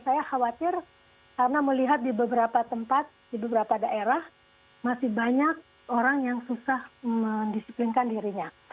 saya khawatir karena melihat di beberapa tempat di beberapa daerah masih banyak orang yang susah mendisiplinkan dirinya